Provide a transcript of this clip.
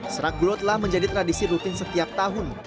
serak gulo telah menjadi tradisi rutin setiap tahun